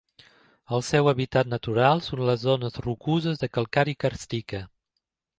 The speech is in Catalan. El seu hàbitat natural són les zones rocoses de calcària càrstica.